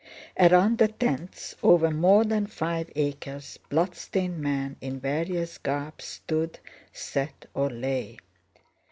Around the tents, over more than five acres, bloodstained men in various garbs stood, sat, or lay.